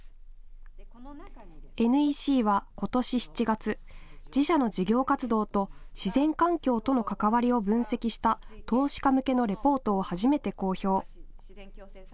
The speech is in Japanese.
ＮＥＣはことし７月、自社の事業活動と自然環境との関わりを分析した投資家向けのレポートを初めて公表。